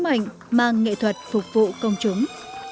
các hình ảnh mang nghệ thuật phục vụ công chúng